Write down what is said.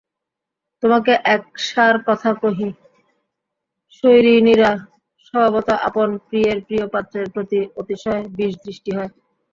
তোমাকে এক সার কথা কহি, স্বৈরিণীরা স্বভাবত আপন প্রিয়ের প্রিয়পাত্রের প্রতি অতিশয় বিষদৃষ্টি হয়।